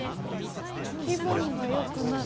「気分が良くなる！